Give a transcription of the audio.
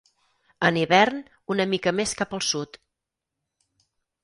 En hivern una mica més cap al sud.